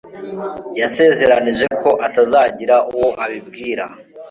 Yansezeranije ko atazagira uwo abibwira.